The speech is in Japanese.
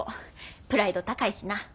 プライド高いしな。